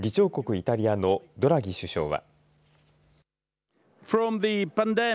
イタリアのドラギ首相は。